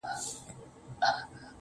o سپوږميه کړنگ وهه راخېژه وايم.